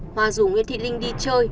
hoa rủ nguyễn thị linh đi chơi